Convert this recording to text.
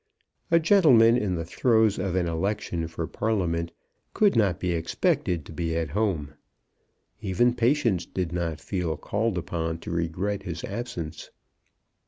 A gentleman in the throes of an election for Parliament could not be expected to be at home. Even Patience did not feel called upon to regret his absence.